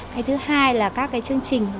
cái thứ hai là các chương trình dự án